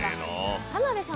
田辺さん